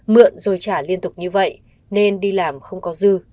mượn rồi trả liên tục như vậy nên đi làm không có dư